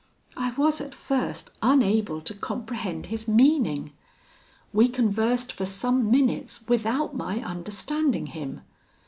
I was at first unable to comprehend his meaning. We conversed for some minutes without my understanding him.